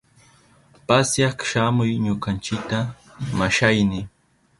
Pasyak shamuy ñukanchita, mashayni.